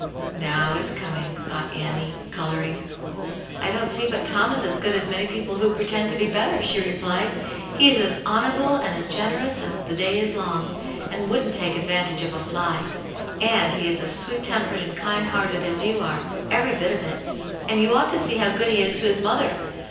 "Now it's coming!" thought Annie, colouring. "I don't see but Tom is as good as many people who pretend to be better," she replied. " He is as honourable and as generous as the day is long, and wouldn't take advantage of a fly. And he is as sweet tempered and kind hearted as you are, every bit of it. And you ought to see how good he is to his mother